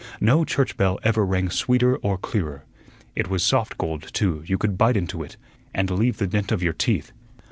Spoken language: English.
No church bell ever rang sweeter or clearer. It was soft gold, too; you could bite into it, and leave the dent of your teeth.